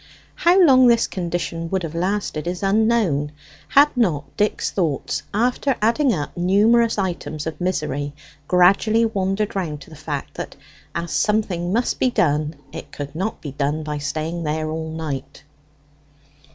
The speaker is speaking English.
How long this condition would have lasted is unknown, had not Dick's thoughts, after adding up numerous items of misery, gradually wandered round to the fact that as something must be done, it could not be done by staying there all night.